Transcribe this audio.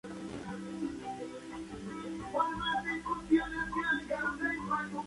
El sonido se saca golpeando en los laterales y base internos.